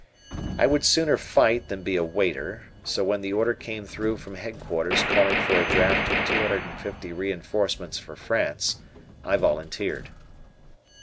I would sooner fight than be a waiter, so when the order came through from headquarters calling for a draft of 250 reinforcements for France, I volunteered.